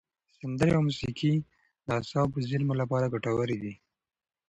سندرې او موسیقي د اعصابو زېرمو لپاره ګټورې دي.